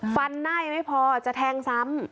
หน้ายังไม่พอจะแทงซ้ำ